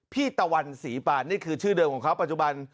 ตะวันศรีปานนี่คือชื่อเดิมของเขาปัจจุบัน